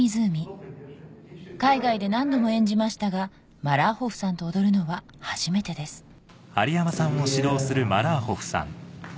海外で何度も演じましたがマラーホフさんと踊るのは初めてです